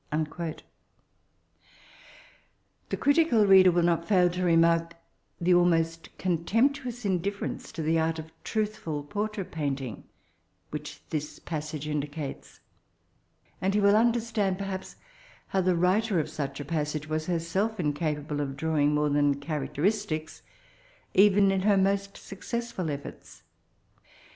"* The critical reader will not fail to remark the almost con temptuous indifiference to the art of truthfhl portrait painting which this passage indicates ; and he will under stand, perimpB, how the writer of such a passage was herself incapabte of drawing more than characteristics, even in her most snccessfhl efforts.